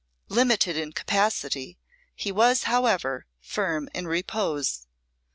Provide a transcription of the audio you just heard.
Limited in capacity, he was, however, firm in purpose.